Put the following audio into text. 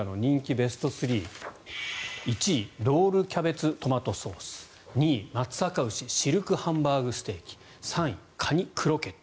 ベスト３１位ロールキャベツトマトソース２位松阪牛シルクハンバーグステーキ３位、かにクロケット。